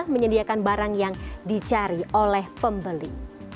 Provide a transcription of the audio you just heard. menyediakan barang yang dicari oleh pembeli